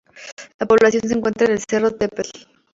La población se encuentra en el cerro "Tepetl".